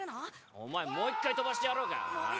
お前もう一回飛ばしてやろうかおい！